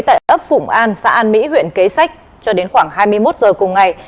tại ấp phụng an xã an mỹ huyện kế sách cho đến khoảng hai mươi một giờ cùng ngày